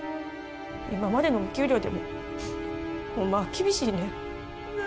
今までのお給料でもホンマは厳しいねん。